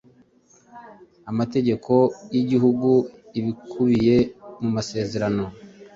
amategeko yigihugu ibikubiye mumasezerano